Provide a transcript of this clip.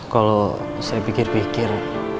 kalau saya pikir pikir